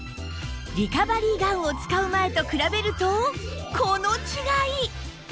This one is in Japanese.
リカバリーガンを使う前と比べるとこの違い！